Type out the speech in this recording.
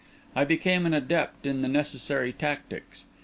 I became an adept in the necessary tactics.